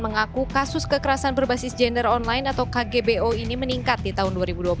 mengaku kasus kekerasan berbasis gender online atau kgbo ini meningkat di tahun dua ribu dua puluh